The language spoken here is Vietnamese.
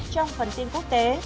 trong phần tin quốc tế